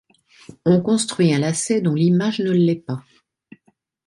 On construit un lacet dont l'image ne l'est pas.